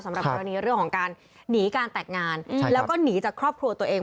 สำหรับกรณีเรื่องของการหนีการแต่งงานแล้วก็หนีจากครอบครัวตัวเอง